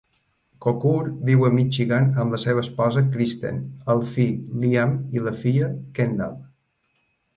Kocur viu a Michigan amb la seva esposa Kristen, el fill, Liam, i la filla, Kendall.